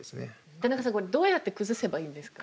田中さんこれどうやって崩せばいいんですか？